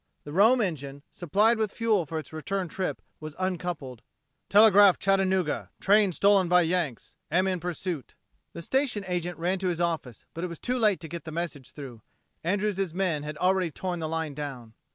The Rome engine, supplied with fuel for its return trip, was uncoupled. "Telegraph Chattanooga train stolen by Yanks. Am in pursuit." The station agent ran to his office, but it was too late to get the message through; Andrews' men had already torn the line down.